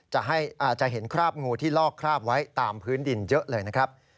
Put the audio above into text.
จะเห็นคราบงูที่ลอกคราบไว้ตามพื้นดินเยอะเลยนะครับ